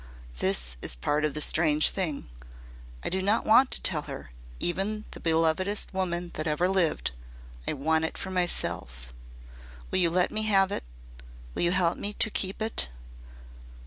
That is part of the strange thing. I do not want to tell her even the belovedest woman that ever lived. I want it for myself. Will you let me have it will you help me to keep it?"